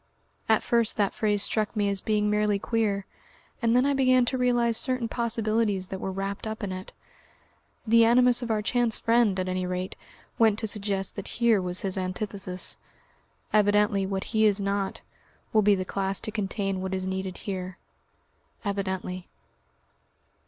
At first that phrase struck me as being merely queer, and then I began to realise certain possibilities that were wrapped up in it. The animus of our chance friend, at any rate, went to suggest that here was his antithesis. Evidently what he is not, will be the class to contain what is needed here. Evidently.